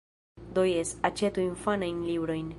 Do, jes. Aĉetu infanajn librojn.